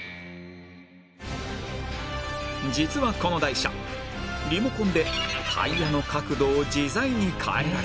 実はこの台車リモコンでタイヤの角度を自在に変えられる